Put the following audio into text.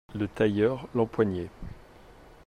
Le tailleur l'empoignait.